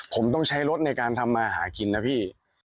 ผมต้องใช้รถในการทำมาหากินนะพี่